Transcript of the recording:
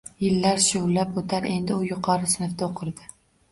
Yillar shuvillab o`tar, endi u yuqori sinfda o`qirdi